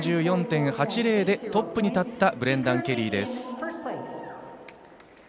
２４４．８０でトップに立ったブレンダン・ケリーです。